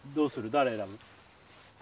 誰選ぶ？